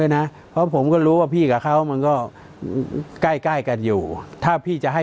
นะเพราะผมก็รู้ว่าพี่กับเขามันก็ใกล้ใกล้กันอยู่ถ้าพี่จะให้